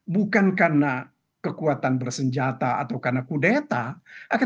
bukan karena kekuatan bersenjata atau karena kudeta